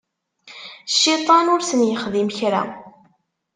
Cciṭan ur sen-yexdim kra.